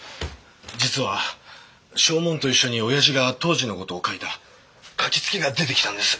実は証文と一緒に親父が当時の事を書いた書付けが出てきたんです。